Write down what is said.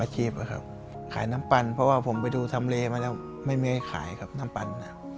ให้แปดยาย